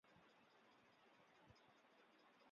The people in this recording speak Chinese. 斯托姆博格龙可能是赖索托龙的成年个体。